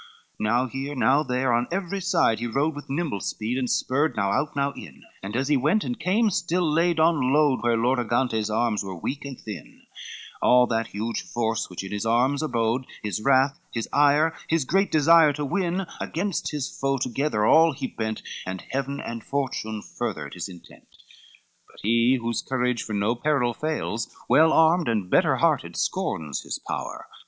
XCVII Now here, now there, on every side he rode, With nimble speed, and spurred now out, now in, And as he went and came still laid on load Where Lord Argantes' arms were weak and thin; All that huge force which in his arms abode, His wrath, his ire, his great desire to win, Against his foe together all he bent, And heaven and fortune furthered his intent. XCVIII But he, whose courage for no peril fails, Well armed, and better hearted, scorns his power.